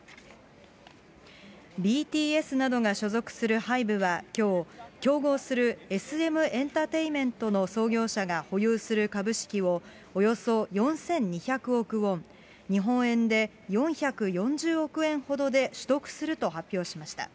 ＢＴＳなどが所属するハイブはきょう、競合するＳＭエンタテインメントの創業者が保有する株式を、およそ４２００億ウォン、日本円で４４０億円ほどで取得すると発表しました。